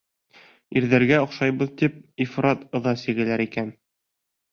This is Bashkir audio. Ирҙәргә оҡшайбыҙ тип, ифрат ыҙа сигәләр икән.